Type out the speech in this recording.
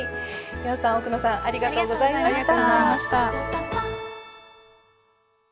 丹羽さん奧野さんありがとうございました。